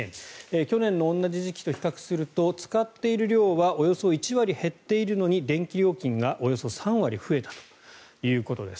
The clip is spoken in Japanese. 去年の同じ時期と比較すると使っている量はおよそ１割減っているのに電気料金がおよそ３割増えたということです。